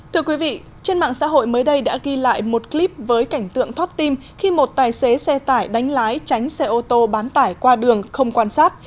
thưa quý vị trên mạng xã hội mới đây đã ghi lại một clip với cảnh tượng thoát tim khi một tài xế xe tải đánh lái tránh xe ô tô bán tải qua đường không quan sát